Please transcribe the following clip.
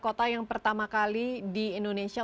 kota yang pertama kali di indonesia